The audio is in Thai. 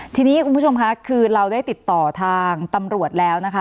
ทีนี้คุณผู้ชมค่ะคือเราได้ติดต่อทางตำรวจแล้วนะคะ